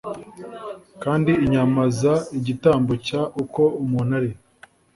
Kandi inyama z igitambo cy uko umuntu ari